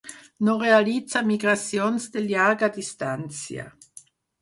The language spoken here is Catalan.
No realitza migracions de llarga distància.